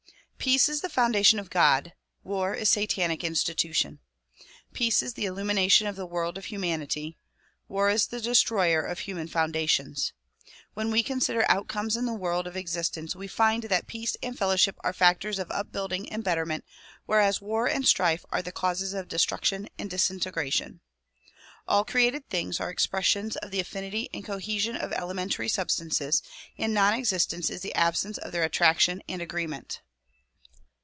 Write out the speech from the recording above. Peace is the foundation of God; war is satanic institution. Peace is the illumination of the world of humanity ; war is the destroyer of human foundations. When we consider outcomes in the world of existence we find that peace and fellowship are factors of upbuilding and betterment whereas war and strife are the causes of destruction and disintegration. All created things are expressions of the affinity and cohesion of elementary substances, and non existence is the absence of their attraction and agreement.